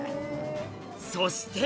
そして！